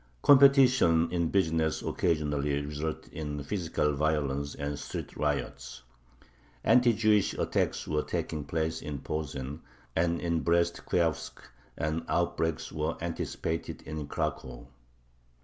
Competition in business occasionally resulted in physical violence and street riots. Anti Jewish attacks were taking place in Posen and in Brest Kuyavsk, and outbreaks were anticipated in Cracow.